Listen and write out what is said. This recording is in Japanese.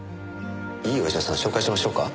いいお医者さん紹介しましょうか？